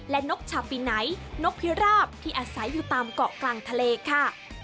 และนกชาปินัยนกพิราบที่อาศัยอยู่ตามเกาะกลางทะเลค่ะ